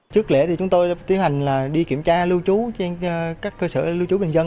trước lễ thì chúng tôi tiến hành đi kiểm tra lưu trú trên các cơ sở lưu trú bình dân